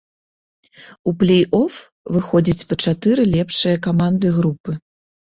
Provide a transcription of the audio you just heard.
У плей-оф выходзяць па чатыры лепшыя каманды групы.